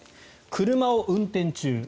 車を運転中